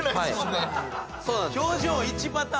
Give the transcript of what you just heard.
表情１パターン。